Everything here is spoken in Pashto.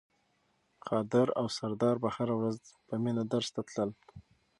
قادر او سردار به هره ورځ په مینه درس ته تلل.